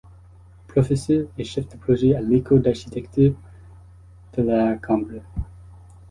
Professeur et chef de projet à l’école d’architecture de La Cambre.